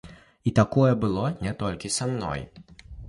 І такое было не толькі са мной.